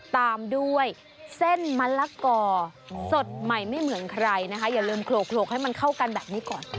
ตามด้วยเส้นมะละกอสดใหม่ไม่เหมือนใครนะคะอย่าลืมโคลกให้มันเข้ากันแบบนี้ก่อน